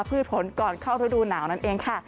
พืชผลก่อนเข้าฤดูหนาวนั่นเองค่ะ